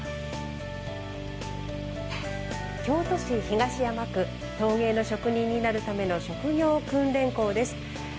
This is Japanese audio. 京都市東山区陶芸の職人になるための職業訓練校です。